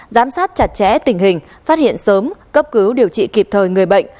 giám sát chặt chẽ tình hình phát hiện sớm cấp cứu điều trị kịp thời người bệnh